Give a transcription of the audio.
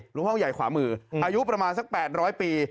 หลวงพ่อใหญ่ขวามืออายุประมาณสัก๘๐๐ปี